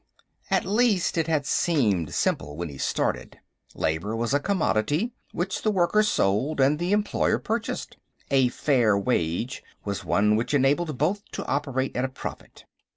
At least, it had seemed simple when he started. Labor was a commodity, which the worker sold and the employer purchased; a "fair wage" was one which enabled both to operate at a profit.